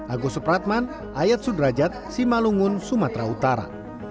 agus supratman ayat sudrajat simalungun sumatera utara